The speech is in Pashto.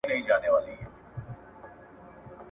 تخیل ستاسو فکر ته وزرونه ورکوي.